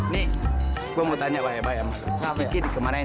nih gue mau tanya baik baik sama si kiki di kemana